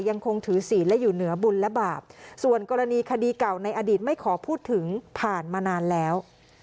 ยังคงถือศีลและอยู่เหนือบุญและบาปส่วนกรณีคดีเก่าในอดีตไม่ขอพูดถึงผ่านมานานแล้ว